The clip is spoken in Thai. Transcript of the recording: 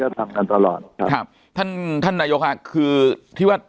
ท่านก็ทำกันตลอดครับท่านท่านนโยคค่ะคือที่ว่า